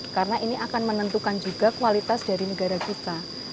karena ini akan menentukan juga kualitas dari negara kita